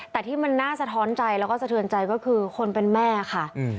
แต่ที่มันน่าสะท้อนใจแล้วก็สะเทือนใจก็คือคนเป็นแม่ค่ะ